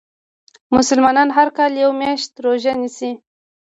مسلمانان هر کال یوه میاشت روژه نیسي .